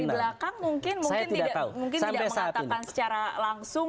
bergabung mendukung dari belakang mungkin tidak mengatakan secara langsung